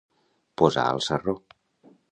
Posar al sarró.